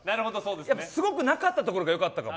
やっぱ、すごくなかったところが良かったかも。